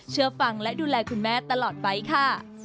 เชื่อฟังและดูแลคุณแม่ตลอดไปค่ะ